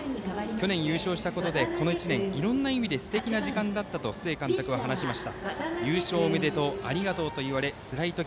去年、優勝したことでこの１年いろんな意味ですてきな時間だったと須江監督は話しました。